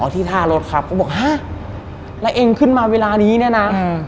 ที่ท่ารถครับก็บอกฮะแล้วเองขึ้นมาเวลานี้เนี่ยนะอืม